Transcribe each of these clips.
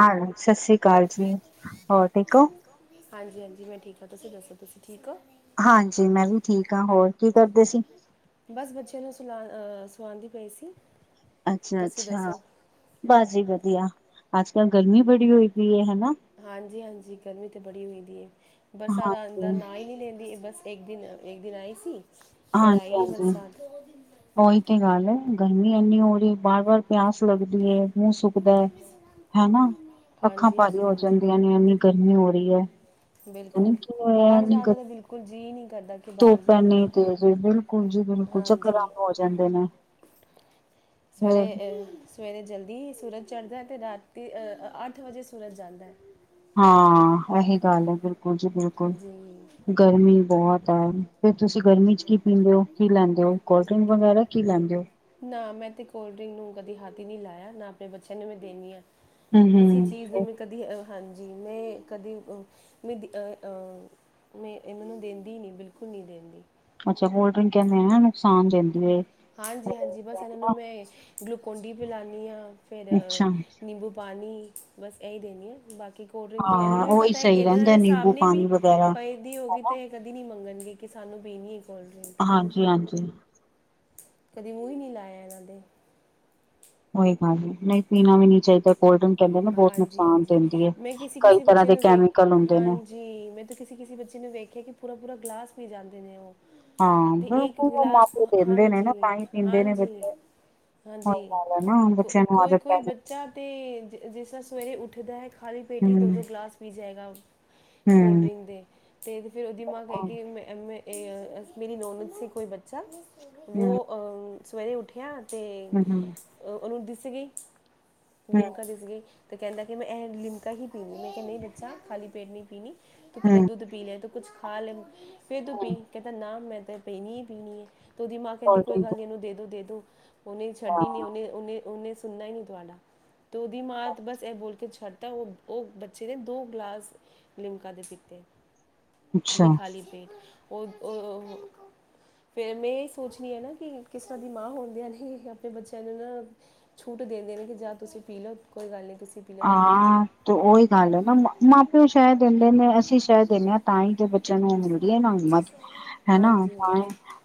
ਹਾਂ ਸਤਿ ਸ੍ਰੀ ਅਕਾਲ ਜੀ ਹੋਰ ਠੀਕ ਹੋ। ਹਾਂਜੀ ਹਾਂਜੀ ਮੈਂ ਠੀਕ ਹਾਂ, ਤੁਸੀਂ ਦੱਸੋ ਤੁਸੀਂ ਠੀਕ ਹੋ? ਹਾਂਜੀ, ਮੈਂ ਵੀ ਠੀਕ ਹਾਂ, ਹੋਰ? ਬਸ ਬੱਚੇ ਨੂੰ, ਸਵਾਉਦੀ ਪਈ ਸੀ। ਅੱਛਾ--ਅੱਛਾ ਬਸ ਜੀ ਵਧੀਆ, ਅੱਜ ਕੱਲ ਗਰਮੀ ਬੜੀ ਹੋਈ ਪਈ ਹੈ। ਹਾਂਜੀ--ਹਾਂਜੀ ਗਰਮੀ ਤੇ ਬੜੀ ਹੋਈਦੀ ਏ, ਬਰਸਾਤ, ਆਉਣ ਦਾ ਨਾ ਹੀ ਨਹੀਂ ਲੈਂਦੀ, ਏ ਬਸ। ਇੱਕ ਦਿਨ, ਏਧਰ ਆਈ ਸੀ। ਹਾਂਜੀ--ਹਾਂਜੀ ਉਹੀ ਤੇ ਗੱਲ ਏ? ਗਰਮੀ ਇੰਨੀ ਹੋ ਰਹੀ, ਵਾਰ ਵਾਰ ਪਿਆਸ, ਲੱਗਦੀ ਏ। ਮੂੰਹ ਸੁੱਕਦਾ ਹਨਾ, ਅੱਖਾਂ ਭਾਰੀ ਹੋ ਜਾਂਦੀਆਂ ਨੇ, ਇੰਨੀ ਗਰਮੀ ਹੋ ਰਹੀ ਹੈ। ਬਿਲਕੁਲ, ਬਾਹਰ ਜਾਣ ਤੇ,, ਬਿਲਕੁਲ ਜੀਅ ਨਹੀਂ ਕਰਦਾ। ਧੁੱਪ ਐਨੀ ਤੇਜ਼, ਬਿਲਕੁਲ ਜੀ ਬਿਲਕੁਲ ਚੱਕਰ ਆਨੇ, ਹੋ ਜਾਂਦੇ ਨੇ ਸਵੇਰੇ ਅਹ ਸਵੇਰੇ ਜਲਦੀ [inaudible] ਸੂਰਜ ਚੜ੍ਹਦਾ ਹੈ, ਤੇ ਰਾਤੀ ਅੱਠ ਵਜੇ, ਸੂਰਜ ਜਾਂਦਾ ਏ। ਹਾਂ ਉਹੀ ਗੱਲ ਹੈ, ਬਿਲਕੁਲ ਜੀ ਬਿਲਕੁਲ ਗਰਮੀ, ਬਹੁਤ ਹੈ। ਤੁਸੀਂ ਗਰਮੀ ਚ, ਕੀ ਪੀਂਦੇ ਹੋ, ਕੀ ਲੈਂਦੇ ਹੋ ਕੋਲਡ ਡਰਿੰਕ, ਵਗੈਰਾ ਕੀ ਲੈਂਦੇ ਹੋ? ਨਾ ਮੈਂ ਤੇ, ਕੋਲਡ ਡਰਿੰਕ ਨੂੰ ਕਦੇ ਹੱਥ ਹੀ ਨਹੀਂ ਲਾਇਆ, ਨਾ ਆਪਣੇ ਬੱਚਿਆਂ ਨੂੰ ਮੈਂ ਦੇਿੰਦੀ ਹਾਂ। ਕਿਸੇ, ਚੀਜ਼ ਨੂੰ ਵੀ ਕਦੀ, ਹਾਂਜੀ। ਜੀ ਮੈਂ ਕਦੇ ਮੈਂ [inaudible] ਮੈਂ, ਇਹਨਾਂ ਨੂੰ ਦਿੰਦੀ ਨਹੀਂ, ਬਿਲਕੁਲ ਨਹੀਂ ਦਿੰਦੀ। ਅੱਛਾ, ਕੋਲਡ ਡਰਿੰਕ ਕਹਿਦੇ ਨੇ, ਨੁਕਸਾਨ ਦਿੰਦੀ ਹੈ। ਹਾਂਜੀ ਹਾਂਜੀ ਬਸ ਇਹਨਾਂ ਨੂੰ ਮੈਂ, ਗਲੂਕੋਜ ਡੀ ਪਿਲਾਉਂਦੀ ਹਾਂ, ਫਿਰ ਨਿੰਬੂ ਪਾਣੀ, ਬਸ ਇਹ ਦੇਣਾ ਹੈ ਬਾਕੀ ਕਿ ਕੋਲਡ ਡਰਿੰਕ, ਤੋਂ ਇਹਨਾਂ ਨੂੰ ਵੀ ਪਤਾ ਹੈ ਕਿ, ਇੱਦੇ ਸਾਹਮਣੇ ਵੀ ਪਈ ਦੀ ਓਹੋ ਗੀ ਤੇ, ਇਹ ਕਦੀ ਨਈ ਮੰਗਣਗੇ। ਕਿ, ਸਾਨੂੰ ਪੀਣੀ ਹੈ। ਹਾਂਜੀ ਹਾਂਜੀ। ਕਦੇ, ਮੂੰਹ ਨਹੀਂ ਲਾਇਆ ਇਹਨਾਂ ਨੇ। ਉਹੀ ਗੱਲ, ਨਹੀਂ ਪੀਣਾ ਵੀ ਨੀ ਚਾਹੀਦਾ। ਹਾਂਜੀ ਹਾਂਜੀ ਮੈਂ ਕਿਸੇ ਕਿਸੇ ਬੱਚੇ ਨੂੰ ਵੇਖ ਹਾਂਜੀ, ਮੈਂ ਤੇ ਕਿਸੇ ਕਿਸੇ ਬੱਚੇ ਨੂੰ, ਵੇਖਿਆ ਕਿ ਪੂਰਾ--ਪੂਰਾ ਗਲਾਸ ਪੀ ਜਾਂ ਦੇ ਨੇ ਉਹ। ਹਾਂ, ਬਿਲਕੁਲ ਉਹ ਮਾਂ ਪਿਓ ਦੇਂਦੇ ਨੇ, ਪਾਣੀ ਪੀਂਦੇ ਨੇ ਬੱਚੇ। ਹਾਂਜੀ, ਕੋ ਕੋਈ ਕੋਈ ਬੱਚਾ, ਤੇ ਜਿਸ ਤਰਾ ਸਵੇਰੇ ਉੱਠਦਾ ਹੈ ਖਾਲੀ ਪੇਟੀ, ਦੋ--ਦੋ ਗਲਾਸ ਪੀ ਜਾਏਗਾ। ਕੋਲਡ ਡਰਿੰਕ ਦੇ, ਤੇ ਫਿਰ ਉਹਦੀ ਮਾਂ ਕਹਿ ਗੀ, ਐ ਮੇਰੀ ਨੋਨ ਸੀ ਕੋਈ ਬੱਚਾ, ਉਹ ਸਵੇਰੇ ਉੱਠਿਆ ਅਤੇ ਉਹ ਨੂੰ ਦੱਸੇ ਗੀ? ਹੂ। ਤਾਂ ਕਹਿੰਦਾ, ਕਿ ਮੈਂ ਇਹ ਲਿਮਕਾ ਹੀ ਪੀਣੀ, ਮੈਂ ਕਿਹਾਂ ਨਹੀਂ ਬੱਚਾ, ਖਾਲੀ ਪੇਟ ਨਹੀਂ ਪੀਣੀ। ਤੂੰ ਪਹਿਲੇ, ਦੁੱਧ ਪੀ ਲੈ, ਤੂੰ ਕੁੱਛ ਖਾ ਲੈ, ਫਿਰ ਤੂੰ ਪੀ, ਕਿਹਦਾ ਨਾ ਮੈਂ ਤੇ ਪੀਣੀ ਹੀ ਪੀਣੀ ਹੈ ਤੇ ਉਹਦੀ ਮਾਂ ਕਹਿੰਦੀ ਕੋਈ ਗੱਲ ਨੀ ਉਹਨੂੰ ਦੇ ਦੋ ਦੇ ਦੋ। [unintelligible] ਉਹਨੇ ਛੱਡੀ ਨੀ, ਉਹਨੇ, ਉਹਨੇ, ਉਹਨੇ ਸੁਣਨਾ ਹੀ ਨਹੀਂਤੂੰ ਵੀ ਮਾਰ ਬਸ ਇਹ ਬੋਲ ਕੇ ਛੱਡ ਤਾਂ ਉਹ--ਉਹ ਬੱਚੇ ਨੇ, ਦੋ ਗਲਾਸ ਲਿਮਕਾ, ਦੇ ਪੀਤੇ। ਉਹ ਵੀ, ਖਾਲੀ ਪੇਟ ਉਹ ਫੇਰ ਮੈਂ ਇਹ ਸੋਚਣੀ ਆ, ਨਾ ਕਿਸੇ ਦੀ ਮਾਂ ਹੋਣਦਿਆਂ ਹਨਾ, ਆਪਣੇ ਬੱਚਿਆਂ ਨੂੰ ਨਾ ਛੋ ਜੇ ਦਿੰਦੇ ਨੇ, ਜਾਂ ਤੁਸੀਂ ਪੀ ਲਓ, ਕੋਈ ਗੱਲ ਨਹੀਂ। ਹਾਂ, ਤੇ ਉਹੀ ਗੱਲ ਹੈ ਨਾ, ਮਾਂ ਪਿਓ ਸ਼ਹਿ ਦਿੰਦੇ ਨੇ, ਅਸੀਂ ਸ਼ਹਿ ਦਿੰਨੇ ਤਾਂ ਹੀ ਬੱਚਿਆਂ ਨੂੰ ਮਿਲਦੀ ਹੈ ਨਾ ਹਿੰਮਤ, ਹਨਾ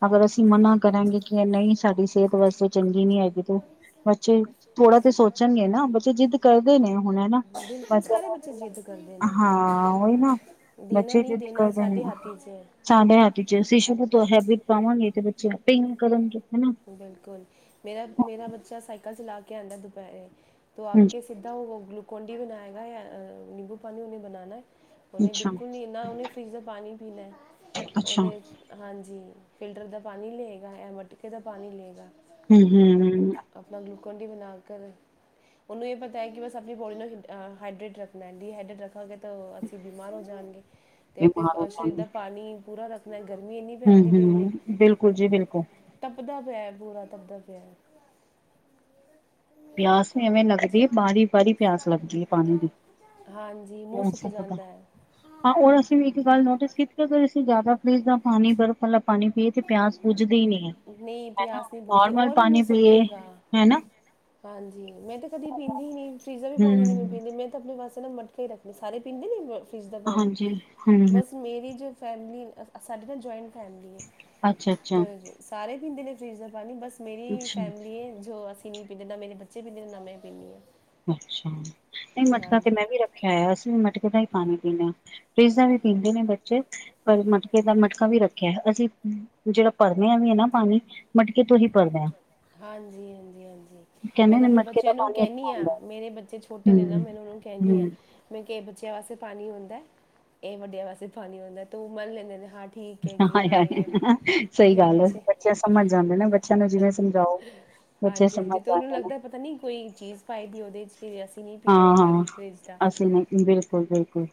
ਅਗਰ ਅਸੀਂ ਮਨਾ ਕਰਾਂਗੇ ਕਿ, ਇਹ ਨਹੀਂ ਸਾਡੀ, ਸਿਹਤ ਵਾਸਤੇ ਚੰਗੀ ਨੀ ਹੈਗੀ, ਤੇ ਬੱਚੇ ਥੋੜਾ ਤੇ ਸੋਚਣਗੇ ਨਾ, ਬੱਚੇ ਜਿੱਦ ਕਰ ਤੇ ਹੁਣ ਨਾ, ਬੱਚਿਆਂ ਨੂੰ ਹਾਂ ਉਹੀ ਨਾ ਬੱਚੇ ਜਿੱਦ ਕਰਦੇ ਨੇ, ਸਾਡੇ ਹੱਥ ਚ, ਅਸੀ ਸ਼ੁਰੂ ਹਿਬਟ ਪਾਵਾ ਨਈ ਤੇ ਬੱਚੇ ਆਪੇ ਹੀ ਕਰਨ ਗੇ ਬਿਲਕੁਲ ਮੇਰਾ ਮੇਰਾ ਬੱਚਾ ਸਾਈਕਲ ਚਲਾ ਕੇ ਆਉਂਦਾ ਦੁਪਹਿਰੇ। ਉਥੋਂ ਆ ਕੇ ਸਿੱਧਾ ਉਹ ਗਲੂਕੋਨ ਡੀ ਬਣਾਏਗਾ ਨਿੰਬੂ ਪਾਣੀ ਉਹਨੇ ਬਨਾਨਾ ਹੈ। ਉਹਨੇ ਬਿਲਕੁਲ ਨੀ ਇਨਾ ਉਹਨੇ ਫਰਿਜ ਦਾ ਪਾਣੀ ਪੀਣਾ ਉਹਨੇ ਹਾਂਜੀ। ਫਿਲਟਰ ਦਾ ਪਾਣੀ ਲਏਗਾ ਇਹ ਮਟਕੇ ਦਾ ਪਾਣੀ ਲਏਗਾ। ਹੂੰ -ਹੂੰ -ਹੂੰ। ਗਲੂਗੋਂਢੀ ਬਣਾ ਕਰ ਉਹਨੂੰ ਇਹ ਪਤਾ ਹੈ ਕਿ ਬਸ ਆਪਣੀ ਬੋਡੀ ਨੂੰ ਹਾਈਡਰੇਟ ਰੱਖਣਾ ਡੀਹਾਈਡਰੇਟ ਰੱਖਾਂਗੇ ਤਾਂ ਅਸੀਂ ਬਿਮਾਰ ਹੋ ਜਾਣਗੇ ਤੇ ਆਪਣੇ ਸਰੀਰ ਦਾ ਪਾਣੀ ਪੂਰਾ ਰੱਖ ਹੂੰ-ਹੂੰ ਬਿਲਕੁਲ ਜੀ ਬਿਲਕੁਲ। [unintelligible] ਪੂਰਾ ਤਬਦਾ ਪਿਆ। ਪਿਆਸ ਵੀ ਐਵੇਂ ਲੱਗਦੀ ਹੈ ਬਾਰੀ-ਬਾਰੀ ਪਿਆਸ ਲੱਗਦੀ ਹੈ ਪਾਣੀ ਦੀ। ਪਤਾ [inaudible] ਹਾਂ ਅਸੀਂ ਵੀ ਇੱਕ ਗੱਲ ਨੋਟਿਸ ਕੀਤੀ ਅਸੀਂ ਜ਼ਿਆਦਾ ਫਰੀਜ ਦਾ ਪਾਣੀ ਬਰਫ਼ ਲੱ ਪਾਣੀ ਪੀਏ ਤੇ ਪਿਆਸ ਬੂਜ ਦੀ ਈ ਨੀ ਏ ਹਨਾ ਨੋਰਮਲ ਪਾਣੀ ਪੀਏ ਹਨਾ ਹਾਂਜੀ ਮੈਂ ਤੇ ਕਦੀ ਪੀਂਦੀ ਹੀ ਨਹੀਂ ਫਰੀਜ਼ਾਂ ਵੀ ਪਾਣੀ ਨੀ ਮੈਂ ਪੀਂਦੀ ਮੈਂ ਤੇ ਆਪਣੇ ਵਾਸਤੇ ਮਟਕੇ ਰੱਖ ਸੀ ਸਾਰੇ ਪੀਂਦੇ ਨੀ ਫਿਰਜ ਦਾ ਪਾਣੀ ਬਸ ਮੇਰੀ ਜੋ ਫੈਮਲੀ ਸਾਡੀ ਨ ਜੋਇੰਟ ਫੈਮਲੀ ਹੈ ਤੇ ਊਹੰਦੇ ਚੋ ਸਾਰੇ ਪੀੰਦੇ ਨੇ ਫਰੀਜ ਦਾ ਪਾਣੀ ਬਸ ਮੇਰੀ ਫੈਮਲੀ ਹੈ ਜੋ ਅਸੀਂ ਨਹੀਂ ਪੀਂਦੇ ਨਾ ਮੇਰੇ ਬੱਚੇ ਪੀਂਦੇ ਨੇ ਨਾ ਮੈਂ ਪੀਂਦੀ ਹਾਂ। ਅੱਛਾ ਨਹੀਂ ਮਟਕਾ ਤੇ ਮੈਂ ਵੀ ਰੱਖਿਆ ਹੋਇਆ ਅਸੀ ਮਟਕੇ ਦਾ ਹੀ। ਪਾਣੀ ਪੀਂਦੇ ਹਾਂ ਫਰਿਜ ਦਾ ਵੀ ਪੀਂਦੇ ਨੇ ਬੱਚੇ ਪਰ ਮਟਕੇ ਦਾ ਮਟਕਾ ਵੀ ਰੱਖਿਆ ਹੈ ਅਸੀਂ। ਜਿਹੜਾ ਭਰਨ ਆ ਵੀ ਹੈ ਨਾ ਪਾਣੀ ਮਟਕੇ ਤੋਂ ਹੀ ਭਰਨਾ ਆ। ਹਾਂਜੀ ਹਾਂਜੀ ਹਾਂਜੀ ਮੈਂ ਤਾਂ ਆਪਣੇ ਬੱਚਿਆਂ ਨੂੰ ਕਹਿੰਦੀ ਮੇਰੇ ਬੱਚੇ ਛੋਟੇ ਨੇ ਨਾ ਮੈਨ ਉਹਨਾਂ ਨੂੰ ਕਹਿੰਦੀ ਆ ਮੈਂ ਕ ਬੱਚਿਆਂ ਵਾਸਤੇ ਪਾਣੀ ਹੁੰਦਾ ਹੈ ਇਹ ਵੱਡਿਆਂ ਵਾਸਤੇ ਪਾਣੀ ਹੁੰਦਾ ਤੇ ਉਹ ਮੰਨ ਲੈਂਦੇ ਨੇ ਹ। ਹ ਸਹੀ ਗੱਲ ਹੈ ਬੱਚੇ ਸਮਝ ਜਾਂਦੇ ਨੇ ਨਾ ਬੱਚਿਆਂ ਨੂੰ ਜਿਵੇਂ ਸਮਝਾ। [unintelligible] ਹਾਂਜੀ-ਹਾਂਜੀ ਤੇ ਉਹਨੂੰ ਲੱਗਦਾ ਪਤਾ ਨੀ ਕੋਈ ਚੀਜ਼ ਪਾਈ ਦੀ ਉਹਦੇ ਅਸੀਂ ਨਹੀਂ ਪੀਣਾ ਫਿ ਦਾ ਬਿਲਕੁਲ ਬਿਲਕੁਲ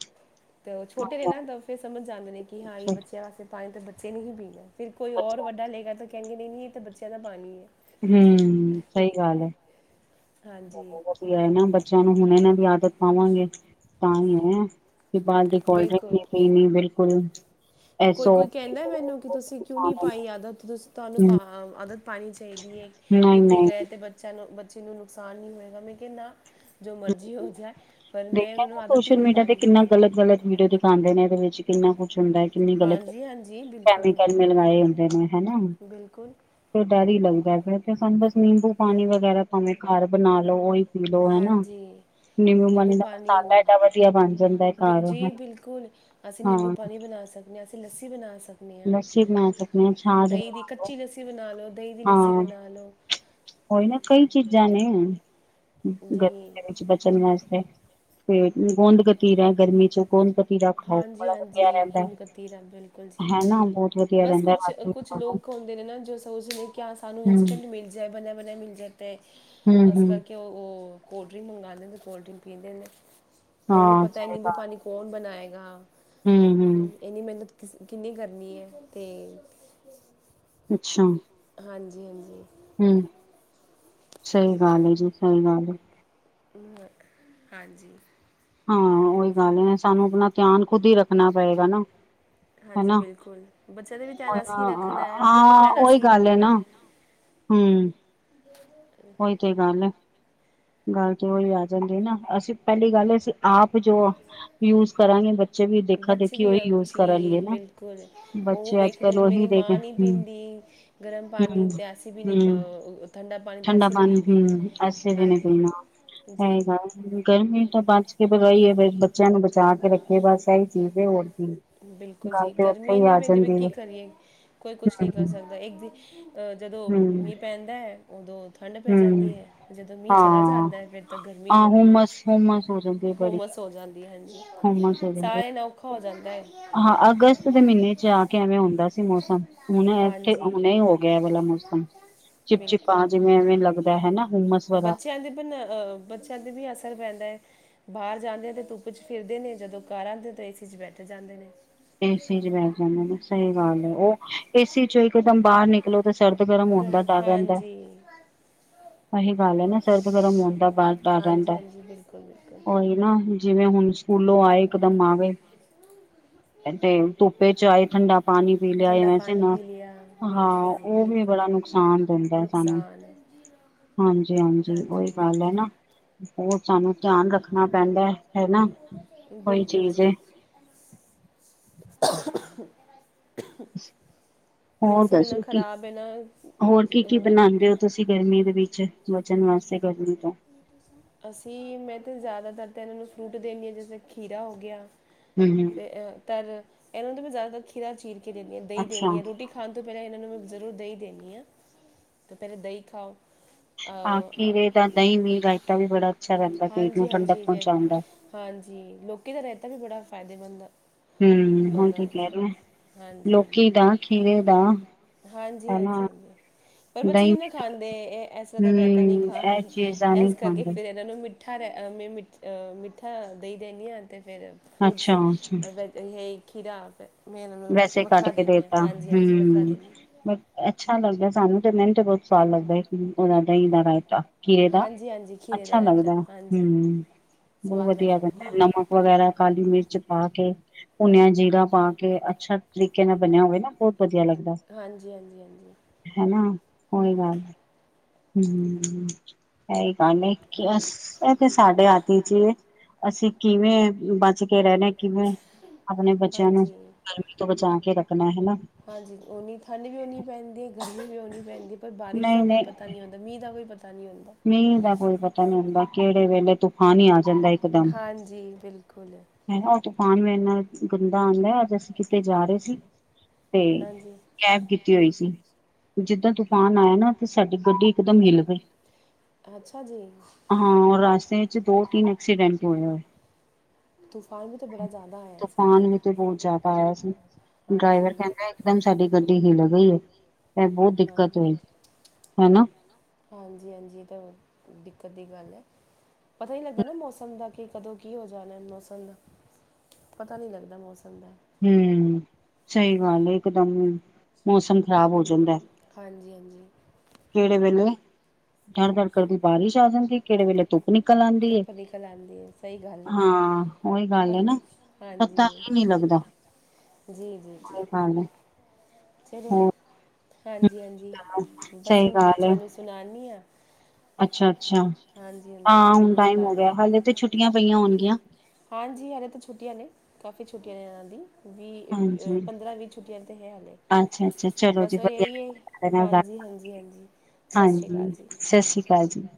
ਤੇ ਉਹ ਛੋਟੇ ਨੇ ਨਾ ਤਾਂ ਫਿਰ ਸਮਝ ਜਾਂਦੇ ਨੇ ਕਿ ਹਾਂ ਇਹ ਬੱਚਿਆਂ ਵਾਸਤੇ ਪਾਣੀ ਤਾਂ ਬੱਚੇ ਨੇ ਹੀ ਪੀਣਾ। ਫਿਰ ਕੋਈ ਔਰ ਵੱਡਾ ਲੇਗਾ ਤਾਂ ਕਹਿਣਗੇ ਨਹੀਂ ਨਹੀਂ ਇਹ ਤਾਂ ਬੱਚਿਆਂ ਦਾ ਪਾਣੀ ਹੈ। ਹੂੰ ਸਹੀ ਗੱਲ ਹੈ ਨਾ [inaudible] ਬੱਚਿਆਂ ਨੂੰ ਹੁਣ ਇਹਨਾਂ ਦੀ ਆਦਤ ਪਾਵਾਂਗੇ ਤਾਂ ਹੀ ਹੈ। ਵੀ ਬਾਰ ਦੀ ਕੋਲਡ ਡਰਿੰਕ ਨੀ ਪੀਣੀ ਬਿਲਕੁਲ। ਕੋਈ ਕੋਈ ਕਹਿੰਦਾ ਮੈਨੂੰ ਕਿ ਤੁਸੀਂ ਕਿਉਂ ਨਹੀ ਪਾਈ ਆਦਤ ਤੁਸੀਂ ਤੁਹਾਨੂੰ ਆਦਤ ਪਾਉਣੀ ਚਾਹੀਦੀ ਹੈ ਕਿੱਥੇ ਗਏ ਅਤੇ ਬੱਚਿਆਂ ਨੂੰ ਬੱਚੇ ਨੂੰ ਨੁਕਸਾਨ ਨਹੀਂ ਹੋਏਗਾ ਮੈਂ ਕਿਹਾ ਨਾ ਦੇਖਿਆ ਨਾ ਸੋਸ਼ਲ ਮੀਡੀਆ ਤੇ ਕਿੰਨਾ ਗ਼ਲਤ ਗਲਤ ਵੀਡੀਓ ਦਿਖਾਉਂਦੇ ਨੇ। ਵਿੱਚ ਕਿੰਨਾ ਕੁਛ ਹੁੰਦਾ ਹੈ ਕਿੰਨੀ ਗਲਤ ਕੈਮੀਕਲ ਮਿਲਵਾਏ ਹੁੰਦੇ ਨੇ ਹਨਾ। ਤੇ ਡਰ ਹੀ ਲੱਗਦਾ ਫ [unintelligible] ਸਾਨੂੰ ਬਸ ਨਿੰਬੂ ਪਾਣੀ ਵਗੈਰਾ ਭਾਵੇਂ ਘਰ ਬਣਾ ਲਓ ਉਹੀ ਪੀ ਲਓ ਹਨਾ [unintelligible] ਨਿੰਬੂ ਪਾਣੀ ਜੀ ਬਿਲਕੁਲ ਅਸੀਂ ਨਿੰਬੂ ਪਾਣੀ ਬਣਾ ਸਕਦੇ ਹਾਂ। ਅਤੇ ਲੱਸੀ ਬਣਾ ਸਕ। ਲੱਸੀ ਬਣਾ ਸਕਦੇ ਹਾਂ ਛਾਜ ਬਣਾਲਓ। ਬਣਾ ਲੋ। ਹਾਂ ਹੋਈ ਨਾ ਕਈ ਚੀਜ਼ਾਂ ਨੇ ਗਰਮੀ ਦੇ ਵਿੱਚ ਬਚਣ ਵਾਸਤੇ ਤੇ ਗੋਂਦ ਗਤੀਰਾ ਹੈ ਗਰਮੀ ਚ ਗੋਂਦ ਦਾ ਖਾਓ ਬੜਾ ਵਧੀਆ ਰਹਿੰਦਾ ਹਨਾ ਬਹੁਤ ਵਧੀਆ ਰਹਿੰਦਾ [inaudible] ਖਓ ਪਾਉਂਦੇ ਨੇ ਨਾ ਜੋ ਸੋਝ ਨੇ। ਕਿਆ ਸਾਨੂੰ ਇੰਸਟੈਂਟ ਮਿਲ ਜਾਏ ਬਣਿਆ ਬਣਿਆ ਮਿਲ ਜਾਦਾ ਹੈ ਉਸ ਕਰਕੇ ਉਹ ਉਹ। ਕੋਲਡ ਡਰਿੰਕ ਮੰਗਵਾਉਂਦੇ ਅਤੇ ਕੋਲਡ ਡਰਿੰਕ ਪੀਂਦੇ ਨੇ ਉਹਨਾਂ ਨੂੰ ਪਤਾ ਹੈ ਨਿੰਬੂ ਪਾਣੀ ਕੌਣ ਬਣਾਏਗਾ ਇਨੀ ਮਿਹਨਤ ਕਿਨੀ ਕਰਨੀ ਹੈ ਤੇ ਅੱਛਾ। ਹਾਂਜੀ ਹਾਂਜੀ। ਹਮ ਸਹੀ ਗੱਲ ਹੈ ਜੀ ਸਹੀ ਗੱਲ ਹੈ। ਹਾਂਜੀ। ਹਾਂ ਉਹੀ ਗੱਲ ਸਾਨੂੰ ਆਪਣਾ ਧਿਆਨ ਖੁੱਦ ਹੀ ਰੱਖਣਾ ਪਏਗਾ ਨਾ ਹਾਂਜੀ ਬਿਲਕੁਲ ਬੱਚਿਆਂ ਦਾ ਵੀ ਧਿਆਨ ਸਹੀ ਰੱਖਣਾ ਆਪਣਾ ਵੀ ਧਿਆਨ ਸਹੀ ਰੱਖਣਾ ਹਮ ਉਹੀ ਤੇ ਗੱਲ ਗੱਲ ਤੇ ਉਹੀ ਆ ਜਾਂਦੀ ਨਾ ਅਸੀਂ ਪਹਿਲੀ ਗੱਲ ਸੀ ਆਪ ਜੋ ਯੂਜ ਕਰਾਂਗੇ ਬੱਚੇ ਵੀ ਦੇਖਾ ਦੇਖੀ ਉਹੀ ਯੂਜ ਕਰਨਗੇ ਹਨ ਬੱਚੇ ਅੱਜ ਕੱਲ ਉਹੀ ਮਾਂ ਨਹੀਂ ਪੀਂਦੀ ਗਰਮ ਪਾਣੀ ਤੇ ਅਸੀ ਵੀ ਠੰਡਾ ਪਾਣੀ ਸੀ ਨਹੀਂ [inaudible] ਪੀਂਦੀ ਵਾਈਏ ਬੱਚਿਆਂ ਨੂੰ ਬਚਾ ਕੇ ਰੱਖੇ ਬਸ ਇਹੀ ਚੀਜ਼ ਹੋਰ ਬਿਲਕੁਲ ਜੀ ਗਰਮੀ ਨਹੀਂ ਪੈਂਦੀ ਮੈਂ ਕੀ ਕਰੀਏ ਕੋਈ ਕੁਛ ਨਹੀਂ ਕਰ ਸਕਦਾ ਇੱਕ ਜਦੋਂ ਮੀਂਹ ਪੈਂਦਾ ਹੈ ਉਦੋਂ ਠੰਡ ਪੈ ਜਾਂਦੀ ਹੈ ਜਦੋਂ ਮੀਂਹ ਚਲਾ ਜਾਂਦਾ ਹੈ ਫੇਰ ਤਾਂ ਗਰਮੀ ਗਰਮੀ ਹੈ ਹੁਮਸ ਹੋ ਜਾਂਦਾ। ਹਾਂਜੀ, ਸਾਰੇਆਂ ਨਾਲ ਔਖਾ ਹੋ ਜਾਂਦਾ। ਹਾਂ ਅਗਸਤ ਦੇ ਮਹੀਨੇ ਚ ਆ ਕੇ ਐਵੇਂ ਹੁੰਦਾ ਸੀ ਮੌਸਮ, ਹੁਣ ਇੱਥੇ ਹੁਣੇ ਹੀ ਹੋ ਗਿਆ ਵਾਲਾ ਮੌਸਮ। ਬਿਲਕੁਲ, ਬੱਚਿਆਂ ਦੇ ਅ ਬੱਚਿਆਂ ਤੇ ਵੀ ਅਸਰ ਪੈਂਦਾ ਹੈ। ਬਾਹਰ ਜਾਂਦੇ ਆ ਤੇ ਧੁੱਪ ਚ ਫਿਰਦੇ ਨੇ ਜਦੋਂ ਘਰ ਆਉਂਦੇ ਦੇ ਏਸੀ ਚ ਬੈਠ ਜਾਂਦੇ ਨੇ। ਉਹ, ਏਸੀ ਚੋਂ ਇਕਦਮ ਬਾਹਰ ਨਿਕਲੋ ਤੇ ਸਰਦ ਗਰਮ ਹੁੰਦਾ ਡਰ ਰਿੰਦਾ। ਸਹੀ ਗੱਲ ਹੈ, ਨਾ ਸਰਦ ਗਰਮ ਹੋਣ ਦਾ ਬਾਹਰ ਡਰ ਰਹਿੰਦਾ ਹੈ। ਹੋਏ ਨਾ, ਜਿਵੇਂ ਹੁਣ ਫੂਲੋ ਆਏ ਇੱਕਦਮ ਆਵੇ, ਤੇ ਧੁੱਪੇ ਚ ਆਏ ਠੰਡਾ ਪਾਣੀ ਪੀ ਲਿਆ ਵੈਸੇ ਨਾ, ਹਾਂ ਉਹ ਵੀ ਬੜਾ ਨੁਕਸਾਨ ਦਿੰਦਾ ਹੈ ਸਾਨੂੰ ਹਾਂਜੀ ਹਾਂਜੀ ਉਹੀ ਗੱਲ ਹੈ ਨਾ, ਹੋਰ ਸਾਨੂੰ ਧਿਆਨ ਰੱਖਣਾ ਪੈਂਦਾ, ਹਨਾ। ਬਿਲਕੁਲ ਜੀ। [inaudible] ਹੋਰ ਦੱਸੋ ਕੀ, ਹੋਰ ਕੀ ਕੀ ਬਣਾਉਂਦੇ ਹੋ ਤੁਸੀਂ ਗਰਮੀਆਂ ਦੇ ਵਿੱਚ ਕੀਚਨ ਵਾਸਤੇ ਗਰਮੀ ਤੋਂ ਅਸੀਂ, ਮੈਂ ਤੇ ਜ਼ਿਆਦਾਤਰ ਤਾਂ ਇਹਨਾਂ ਨੂੰ ਫਰੂਟ ਦੇਦੀ ਹਾਂ ਜਿਵੇਂ ਖੀਰਾ ਹੋ ਗਿਆ। ਫੇਰ ਤ, ਇਹਨਾਂ ਦੇ ਮੈ ਜ਼ਿਆਦਾਤਰ ਖੀਰਾ ਚੀਰ ਦਦੀ ਹਾਂ ਦਹੀਂ ਦਿੰਦੀ ਹਾਂ ਰੋਟੀ ਖਾਣ ਤੋਂ ਪਹਿਲਾਂ ਇਹਨਾਂ ਨੂੰ ਮੈਂ ਜ਼ਰੂਰ ਦਹੀਂ ਦਿੰਦੀ ਹਾਂ, ਤੇ ਪਹਿਲਾਂ ਦਹੀਂ ਖਾਓ। ਹਾਂ ਖੀਰੇ ਦਾ ਦਹੀਂ ਵੀ ਰਾਇਤਾ ਵੀ ਬੜਾ ਹਾਂਜੀ ਹਾਂਜੀ, ਹਾਂਜੀ ਲੋਕੀ ਦਾ ਰਾਹਿਤਾ ਵੀ ਬੜਾ ਫਾਇਦੇਮੰਦ ਆ। ਹਮ ਹੁਣ ਤੇ ਕਹਿ ਰਹੇ ਆ ਲੋਕੀ ਦਾ ਖੀਰੇ ਦਾ ਹਾਂਜੀ ਹਾਂਜੀ ਹਾਂਜੀ। ਪਰ ਬੱਚੇ ਨਹੀਂ ਨਾ ਖਾਂਦੇ ਇਹ ਇਸ ਤਰ੍ਹਾਂ ਦਾ ਰਹਿਤਾ ਨਹੀਂ ਖਾਦੇ, ਇਸ ਕਰਕੇ ਫਿਰ ਇਹਨਾਂ ਨੂੰ ਮਿੱ ਮਠਾ ਮ ਮਿੱਠਾ ਦੇਹੀਂ ਦਿੰਣੀ ਹਾਂ, ਅਤੇ ਫਿਰ ਫਰੂਟਸ ਵੈ ਹ ਖੀਰਾ। ਵੈਸੇ ਕੱਟ ਕੇ ਦੇਤਾ ਹਮ, ਬ ਅੱਛਾ ਲੱਗਿਆ ਸਾਨੂੰ ਤੇ ਮੈਨੂੰ ਬਹੁਤ ਸਾਲ ਲੱਗਦਾ ਹੈ, ਉਹਨਾਂ ਦਹੀਂ ਦਾ ਰਾਇਤਾ। ਖੀਰੇ ਦਾ, ਅੱਛਾ ਲੱਗਦਾ ਹਮ। ਬਹੁਤ ਵਧੀਆ ਪੈਂਦਾ, ਨਮਕ ਵਗੈਰਾ ਕਾਲੀ ਮਿਰਚ। ਪਾ ਕੇ, ਭੁੰਨਿਆ ਜੀਰਾ ਪਾ ਕੇ ਅੱਛਾ ਤਰੀਕੇ ਨਾਲ ਬਣਿਆ ਹੋਵੇ ਨਾ ਬਹੁਤ ਵਧੀਆ ਲੱਗਦਾ, ਹੈਨਾ ਉਹੀ ਗੱਲ। ਹਮ, ਇਹੀ ਗ ਹੈ ਕਿ ਇਥੇ ਸਾਢੇ ਆਤੀ ਸੀ। ਅਸੀਂ ਕਿਵੇਂ ਬਚ ਕੇ ਰਹਿਣਾ, ਕਿਵੇਂ ਆਪਣੇ ਬੱਚਿਆਂ ਨੂੰ ਗਰਮੀ ਤੋਂ ਬਚਾ ਕੇ ਰੱਖਣਾ ਹੈ ਨਾ। ਹਾਂਜੀ ਉਨੀ ਠੰਡ ਵੀ ਓਨੀ ਪੈਂਦੀ ਐ, ਗਰਮੀ ਵੀ ਓਨੀ ਪੈਂਦੀ ਐ, ਪਰ ਬਾਰਿਸ਼ ਦਾ ਕੋਈ ਪਤਾ ਨਹੀਂ ਹੁੰਦਾ, ਮੀਂਹ ਦਾ ਕੋਈ ਪਤਾ ਮੀਂਹ ਦਾ ਕੋਈ ਪਤਾ ਨਹੀਂ ਹੁੰਦਾ, ਕਿਹੜੇ ਵੇਲੇ ਤੂਫਾਨ ਈ ਆ ਜਾਂਦਾ ਇਕਦਮ। ਤੂਫਾਨ ਵੀ ਇੰਨਾ ਗੰਦਾ ਆਂਦਾ, ਅੱਜ ਅਸੀਂ ਕਿਤੇ ਜਾ ਰਹੇ ਸੀ। ਤੇ ਕੈਬ ਕੀਤੀ। ਕੀਤੀ ਹੋਈ ਸੀ, ਜਿੱਦਾਂ ਤੂਫਾਨ ਆਇਆ ਨਾ ਤੇ ਸਾਡੀ ਗੱਡੀ ਇਕਦਮ ਹਿਲ ਗਈ। ਅੱਛਾ ਜੀ। ਰਸਤੇ ਵਿੱਚ ਦੋ ਤਿੰਨ ਐਕਸੀਡੈਂਟ ਹੋਏ ਹੈਂ। ਤੂਫਾਨ ਵੀ ਤੇ ਬੜਾ ਜ਼ਿਆਦਾ ਤੂਫਾਨ ਵੀ ਤੇ ਬਹੁਤ ਜਿਆਦਾ ਆਇਆ ਸੀ, ਡਰਾਈਵਰ ਕਹਿੰਦਾ ਇਕ ਦਮ ਸਾਡੀ ਗੱਡੀ ਹਿੱਲ ਗਈ ਏ। ਬਹੁਤ ਦਿੱਕਤ ਹੋਈ, ਹਨਾ। ਹਾਂਜੀ -ਹਾਂਜੀ, ਇਹ ਤਾਂ ਦਿੱਕਤ ਦੀ ਗੱਲ ਐ। ਪਤਾ ਨੀ ਲੱਗਦਾ ਨਾ ਮੌਸਮ ਦਾ, ਕਿ ਕਦੋਂ ਕੀ ਹੋ ਜਾਣਾ ਮੌਸਮ ਦਾ। ਪਤਾ ਨਹੀਂ ਲੱਗਦਾ ਮੌਸਮ ਦਾ। ਹੂੰ ਸਹੀ ਗੱਲ ਐ, ਇਕ ਦਮ ਮੌਸਮ ਖ਼ਰਾਬ ਹੋ ਜਾਂਦਾ। ਹਾਂਜੀ -ਹਾਂਜੀ। ਦੜ -ਦੜ ਕਰਦੀ ਬਾਰਿਸ਼ ਆ ਜਾਂਦੀ ਐ, ਕਿਹੜੇ ਵੇਲੇ ਧੁੱਪ ਨਿ ਕਲ ਆਂਦੀ ਏ ਹਾਂ, ਓਹੀ ਗੱਲ ਏ ਨਾ ਪਤਾ ਈ ਨੀ ਲੱਗਦਾ। ਜੀ- ਜੀ- ਜੀ। ਚਲੋ, ਹਾਂਜੀ- ਹਾਂਜੀ ਬਸ ਹੁਣ ਬੱਚਿਆਂ ਨੂੰ ਸੁਨਾਨੀ ਆਂ। ਅੱਛਾ -ਅੱਛਾ, ਹਾਂ ਹੁਣ ਟਾਈਮ ਹੋ ਗਿਆ, ਹਾਲੇ ਤੇ ਛੁੱਟੀਆਂ ਪਈਆਂ ਹੋਣਗੀਆਂ। ਹਾਂਜੀ, ਹਲੇ ਤੇ ਛੁੱਟੀਆਂ ਨੇ ਕਾਫ਼ੀ ਛੁੱਟੀਆਂ ਨੇ ਇਹਨਾਂ ਦੀ। ਵੀਹ ਅ ਪੰਦਰਾਂ ਵੀਹ ਛੁੱਟੀਆਂ ਤੇ ਹੈ ਹਾਲੇ, ਬਸ ਇਹੀ ਏ ਹਾਂਜੀ। ਹਾਂਜੀ- ਹਾਂਜੀ। ਹਾਂਜੀ, ਸਸ ਰੀ ਕਾਲ ਜੀ।